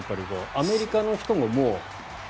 アメリカの人も、もう。